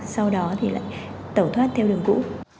sau đó thì lại tẩu thoát theo đường cũ